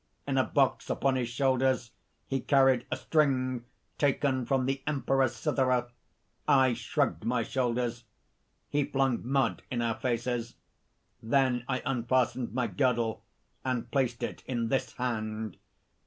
In a box upon his shoulders he carried a string taken from the Emperor's cithara. I shrugged my shoulders. He flung mud in our faces. Then I unfastened my girdle and placed it in this hand."